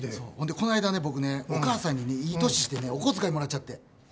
この間、僕ねお母さんに、いい年してお小遣いもらっちゃって。